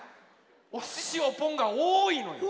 「おすしをぽん！」がおおいのよ。